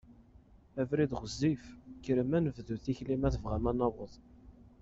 Abrid ɣezzif, kkrem ad nebdu tikli ma tebɣam ad naweḍ.